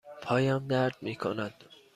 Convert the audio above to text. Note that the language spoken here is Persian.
پایم درد می کند.